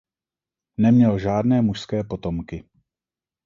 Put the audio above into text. Neměl žádné mužské potomky.